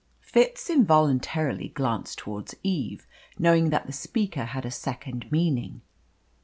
Fitz involuntarily glanced towards Eve, knowing that the speaker had a second meaning.